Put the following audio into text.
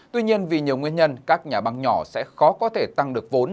tuy nhiên vì nhiều nguyên nhân các nhà băng nhỏ sẽ khó có thể tăng được vốn